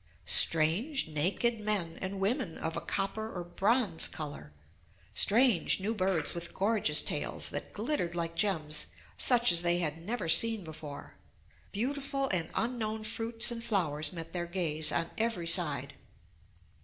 Strange, naked men and women of a copper, or bronze color; strange, new birds with gorgeous tails that glittered like gems such as they had never seen before; beautiful and unknown fruits and flowers met their gaze on every side.